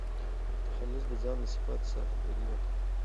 تخلص د ځان له صفاتو سره همږغي وټاکئ.